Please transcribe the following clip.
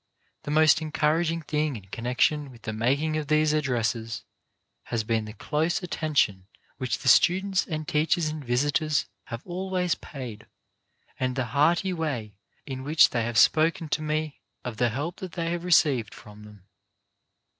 The most encouraging thing in connection with the making of these addresses has been the close attention which the students and teachers and visitors have always paid, and the hearty way in which they have spoken to me of the help that they have re ceived from them.